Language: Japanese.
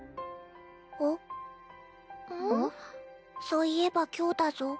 そういえば今日だぞ。